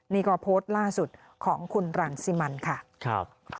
นี่ก็โพสต์ล่าสุดของคุณรังสิมันค่ะ